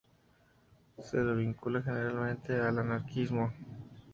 Se lo vincula generalmente al anarquismo.